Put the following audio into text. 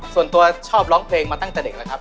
ส่วนตัวชอบร้องเพลงมาตั้งแต่เด็กแล้วครับ